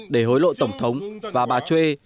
để hối lộ tổng thống và bà choi